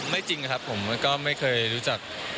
จริงครับผมก็ไม่เคยรู้จัก